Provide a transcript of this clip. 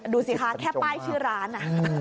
ดูสิคะแค่ป้ายชื่อร้าน